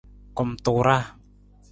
Kumtuuraa.